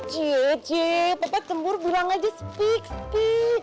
cici papa cemburu pulang aja speak speak